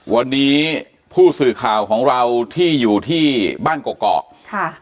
วันนี้ผู้สื่อข่าวของเราที่อยู่ที่บ้านกอกค่ะ